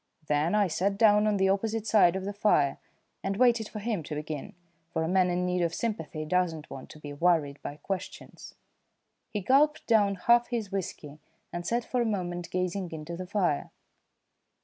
Then I sat down on the opposite side of the fire and waited for him to begin, for a man in need of sympathy does not want to be worried by questions. He gulped down half his whisky and sat for a moment gazing into the fire.